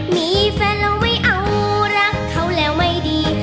มีแฟนเราไม่เอารักเขาแล้วไม่ดี